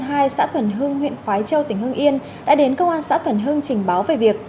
thôn hai xã thuần hưng huyện khói châu tp hương yên đã đến công an xã thuần hưng trình báo về việc